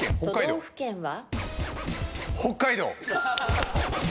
都道府県は？